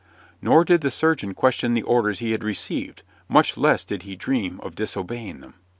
Nor did the surgeon question the orders he had received, much less did he dream of disobeying them.